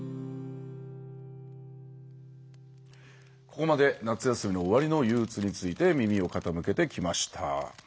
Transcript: ここまで夏休みの終わりのゆううつについて耳を傾けてきました。